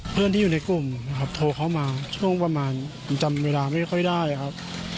เพื่อนที่อยู่ในกลุ่มนะครับโทรเข้ามาช่วงประมาณจำเวลาไม่ค่อยได้ครับ